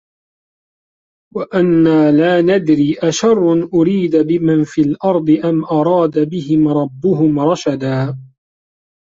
وَأَنّا لا نَدري أَشَرٌّ أُريدَ بِمَن فِي الأَرضِ أَم أَرادَ بِهِم رَبُّهُم رَشَدًا